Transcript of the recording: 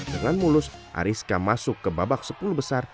dengan mulus ariska masuk ke babak sepuluh besar